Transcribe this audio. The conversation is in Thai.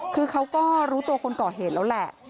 คือเขาก็รู้ตัวคนก่อเหตุแล้วแหละ